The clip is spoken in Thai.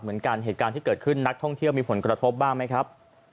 เหตุการณ์ที่เกิดขึ้นนักท่องเที่ยวมีผลกระทบบ้างไหมครับ